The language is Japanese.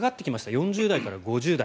４０代から５０代。